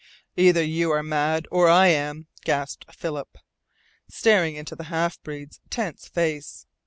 "Either you are mad or I am," gasped Philip, staring into the half breed's tense face.